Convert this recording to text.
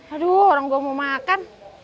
aduh orang gue mau makan